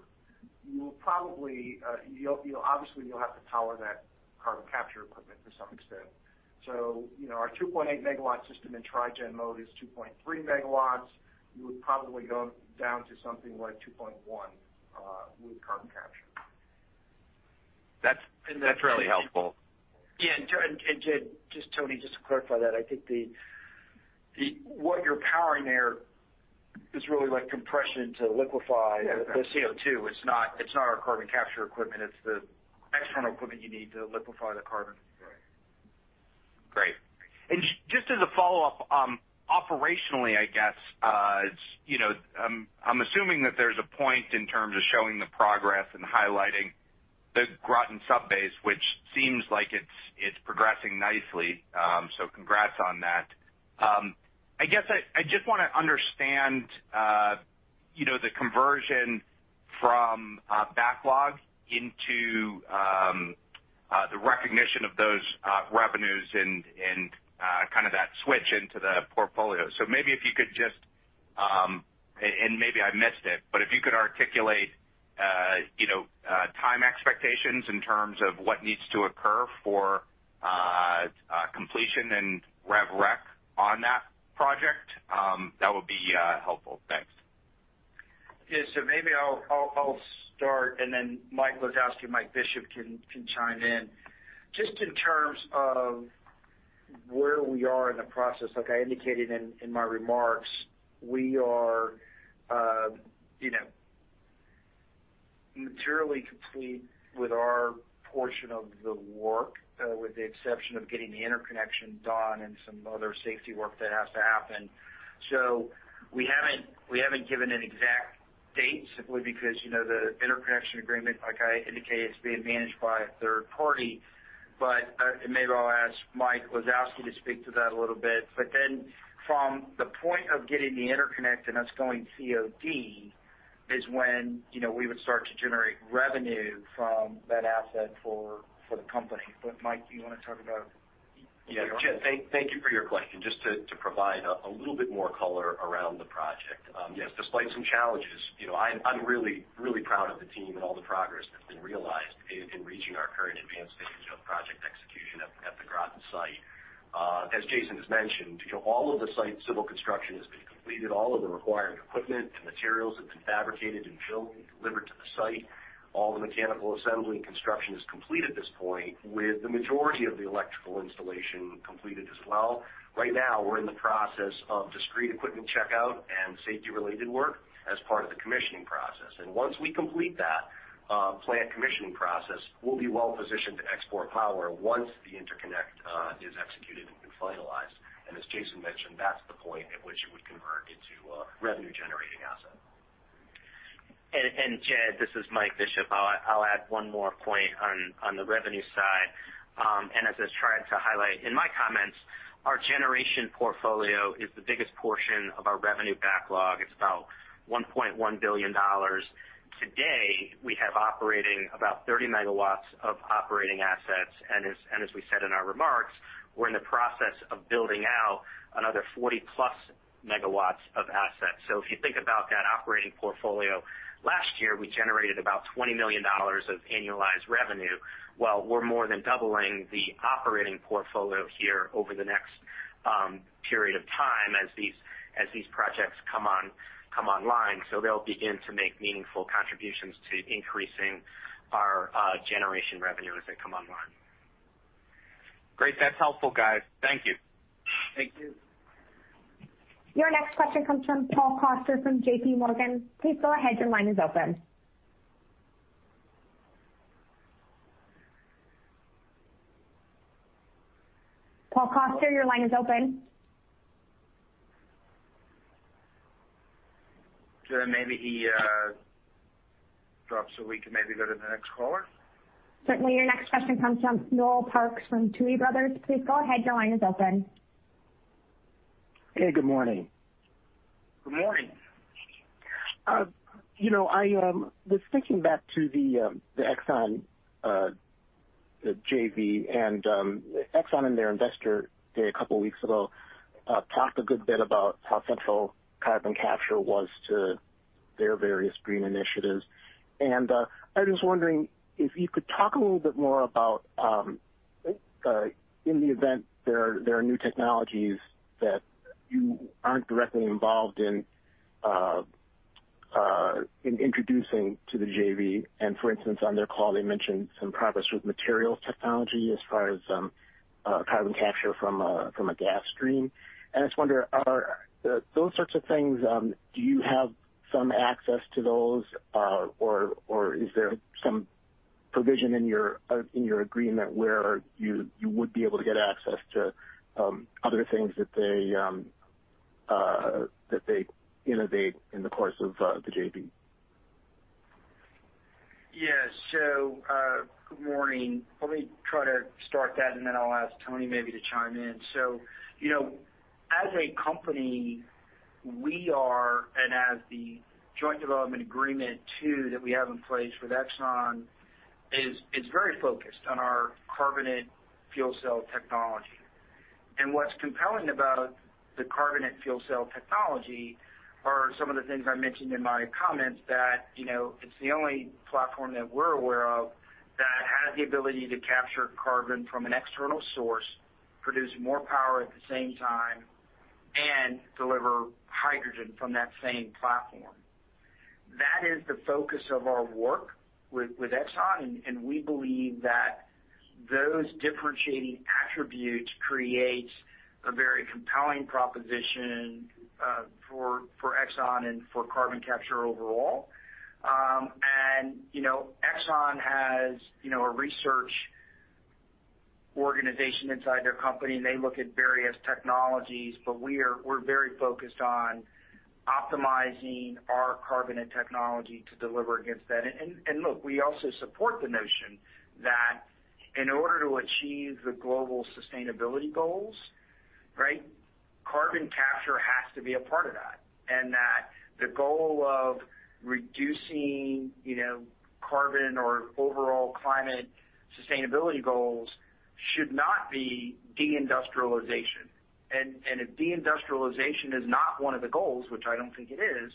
obviously, you'll have to power that carbon capture equipment to some extent. Our 2.8 MW system in Trigen mode is 2.3 MW. You would probably go down to something like 2.1 MW with carbon capture. That's really helpful. Yeah. Just Tony, just to clarify that, I think what you're powering there is really like compression to liquefy the CO2. It's not our carbon capture equipment, it's the external equipment you need to liquefy the carbon. Great. Just as a follow-up, operationally, I'm assuming that there's a point in terms of showing the progress and highlighting the Groton sub-base, which seems like it's progressing nicely. Congrats on that. I just want to understand the conversion from backlog into the recognition of those revenues and that switch into the portfolio. Maybe if you could just, and maybe I missed it, but if you could articulate time expectations in terms of what needs to occur for completion and rev rec on that project. That would be helpful. Thanks. Yeah. Maybe I'll start, and then Michael Lisowski and Michael Bishop can chime in. Just in terms of where we are in the process, like I indicated in my remarks, we are materially complete with our portion of the work, with the exception of getting the interconnection done and some other safety work that has to happen. We haven't given an exact date simply because the interconnection agreement, like I indicated, is being managed by a third party. Maybe I'll ask Michael Lisowski to speak to that a little bit. From the point of getting the interconnect and us going COD, is when we would start to generate revenue from that asset for the company. Mike, do you want to talk about it? Jed, thank you for your question. Just to provide a little bit more color around the project. Despite some challenges, I'm really proud of the team and all the progress that's been realized in reaching our current advanced stage of project execution at the Groton site. As Jason has mentioned, all of the site civil construction has been completed. All of the required equipment and materials have been fabricated and built and delivered to the site. All the mechanical assembly and construction is complete at this point, with the majority of the electrical installation completed as well. Right now, we're in the process of discrete equipment checkout and safety-related work as part of the commissioning process. Once we complete that plant commissioning process, we'll be well-positioned to export power once the interconnect is executed and finalized. As Jason mentioned, that's the point at which it would convert into a revenue-generating asset. Jed, this is Michael Bishop. I'll add one more point on the revenue side. As I tried to highlight in my comments, our generation portfolio is the biggest portion of our revenue backlog. It's about $1.1 billion. Today, we have operating about 30 megawatts of operating assets. As we said in our remarks, we're in the process of building out another 40-plus megawatts of assets. If you think about that operating portfolio, last year, we generated about $20 million of annualized revenue. Well, we're more than doubling the operating portfolio here over the next period of time as these projects come online. They'll begin to make meaningful contributions to increasing our generation revenue as they come online. Great. That's helpful, guys. Thank you. Thank you. Your next question comes from Paul Coster from JPMorgan. Please go ahead, your line is open. Paul Coster, your line is open. Jed, maybe he drops so we can maybe go to the next caller. Certainly. Your next question comes from Noel Parks from Tuohy Brothers. Please go ahead, your line is open. Hey, good morning. Good morning. I was thinking back to the ExxonMobil JV. ExxonMobil in their investor day a couple of weeks ago talked a good bit about how central carbon capture was to their various green initiatives. I was wondering if you could talk a little bit more about, in the event there are new technologies that you aren't directly involved in introducing to the JV. For instance, on their call, they mentioned some progress with material technology as far as carbon capture from a gas stream. I just wonder, those sorts of things, do you have some access to those? Or is there some provision in your agreement where you would be able to get access to other things that they innovate in the course of the JV? Yeah. Good morning. Let me try to start that, and then I'll ask Tony maybe to chime in. As a company, we are, and as the joint development agreement too that we have in place with ExxonMobil, is very focused on our carbonate fuel cell technology. What's compelling about the carbonate fuel cell technology are some of the things I mentioned in my comments that it's the only platform that we're aware of that has the ability to capture carbon from an external source, produce more power at the same time Deliver hydrogen from that same platform. That is the focus of our work with ExxonMobil. We believe that those differentiating attributes create a very compelling proposition for ExxonMobil and for carbon capture overall. ExxonMobil has a research organization inside their company. They look at various technologies. We're very focused on optimizing our carbonate technology to deliver against that. Look, we also support the notion that in order to achieve the global sustainability goals, carbon capture has to be a part of that. The goal of reducing carbon or overall climate sustainability goals should not be de-industrialization. If de-industrialization is not one of the goals, which I don't think it is,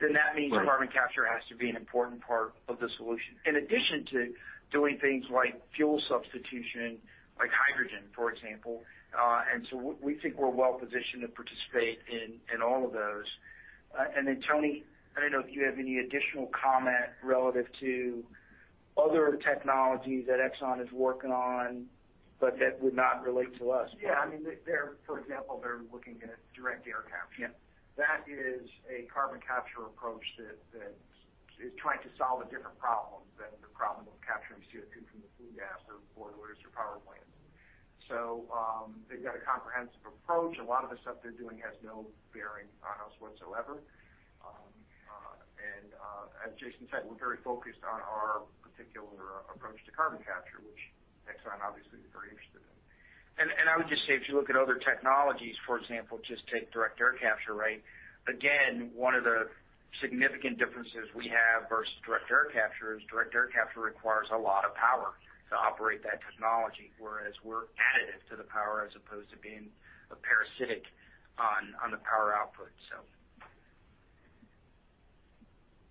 that means carbon capture has to be an important part of the solution, in addition to doing things like fuel substitution, like hydrogen, for example. We think we're well-positioned to participate in all of those. Tony, I don't know if you have any additional comment relative to other technologies that ExxonMobil is working on, but that would not relate to us. Yeah. For example, they're looking at direct air capture. Yeah. That is a carbon capture approach that is trying to solve a different problem than the problem of capturing CO2 from the flue gas or boilers or power plants. They've got a comprehensive approach. A lot of the stuff they're doing has no bearing on us whatsoever. As Jason said, we're very focused on our particular approach to carbon capture, which ExxonMobil obviously is very interested in. I would just say, if you look at other technologies, for example, just take direct air capture. One of the significant differences we have versus direct air capture is direct air capture requires a lot of power to operate that technology, whereas we're additive to the power as opposed to being parasitic on the power output.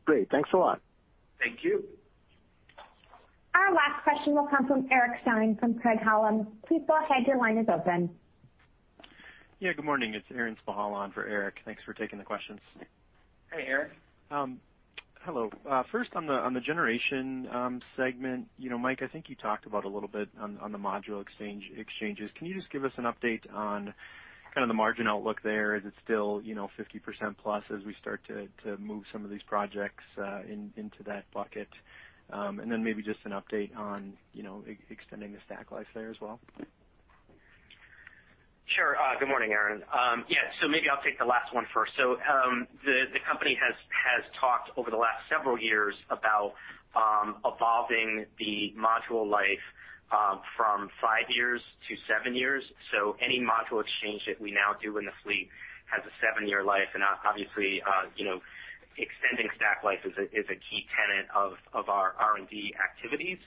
Great. Thanks a lot. Thank you. Our last question will come from Aaron Stein from Craig-Hallum. Please go ahead. Your line is open. Yeah, good morning. It's Aaron from Hallum for Eric. Thanks for taking the questions. Hey, Aaron. Hello. First on the generation segment. Mike, I think you talked about a little bit on the module exchanges. Can you just give us an update on kind of the margin outlook there? Is it still 50% plus as we start to move some of these projects into that bucket? Maybe just an update on extending the stack life there as well. Sure. Good morning, Aaron. Yeah. Maybe I'll take the last one first. The company has talked over the last several years about evolving the module life from five years to seven years. Any module exchange that we now do in the fleet has a seven-year life. Obviously extending stack life is a key tenet of our R&D activities.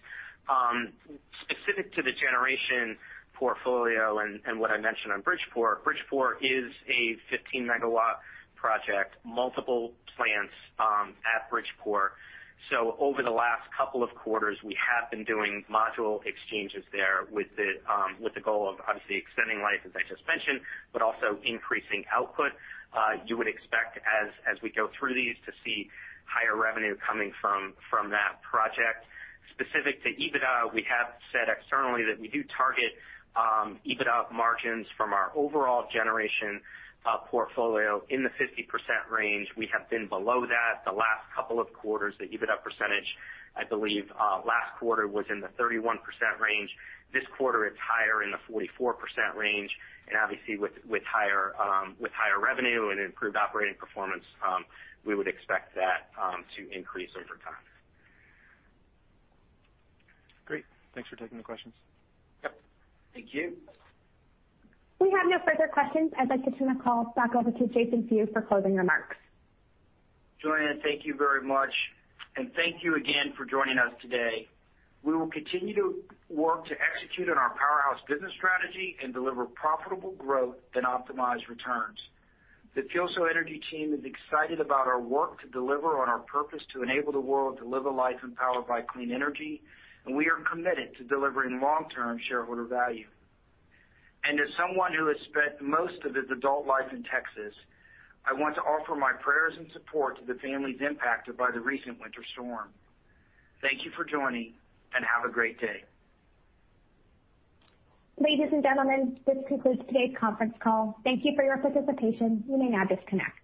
Specific to the generation portfolio and what I mentioned on Bridgeport is a 15-megawatt project, multiple plants at Bridgeport. Over the last couple of quarters, we have been doing module exchanges there with the goal of obviously extending life, as I just mentioned, but also increasing output. You would expect as we go through these, to see higher revenue coming from that project. Specific to EBITDA, we have said externally that we do target EBITDA margins from our overall generation portfolio in the 50% range. We have been below that the last couple of quarters. The EBITDA percentage, I believe, last quarter was in the 31% range. This quarter it's higher in the 44% range. Obviously with higher revenue and improved operating performance, we would expect that to increase over time. Great. Thanks for taking the questions. Yep. Thank you. We have no further questions. I'd like to turn the call back over to Jason Few for closing remarks. Joanna, thank you very much. Thank you again for joining us today. We will continue to work to execute on our Powerhouse business strategy and deliver profitable growth and optimized returns. The FuelCell Energy team is excited about our work to deliver on our purpose to enable the world to live a life empowered by clean energy, and we are committed to delivering long-term shareholder value. As someone who has spent most of his adult life in Texas, I want to offer my prayers and support to the families impacted by the recent winter storm. Thank you for joining, and have a great day. Ladies and gentlemen, this concludes today's conference call. Thank you for your participation. You may now disconnect.